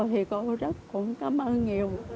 thì cô rất cũng cảm ơn nhiều